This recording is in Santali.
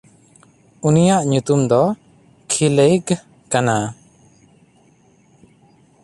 ᱩᱱᱤᱭᱟᱜ ᱧᱩᱛᱩᱢ ᱫᱚ ᱠᱷᱤᱞᱮᱭᱜᱷ ᱠᱟᱱᱟ᱾